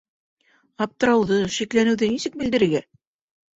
Аптырауҙы, шикләнеүҙе нисек белдерергә